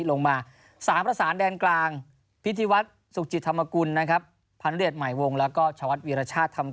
แล้วก็แบ็กขวา